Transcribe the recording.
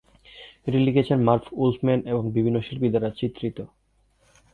এটি লিখেছেন মারভ উলফম্যান এবং বিভিন্ন শিল্পী দ্বারা চিত্রিত।